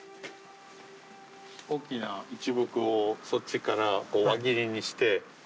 大きな一木をそっちから輪切りにして。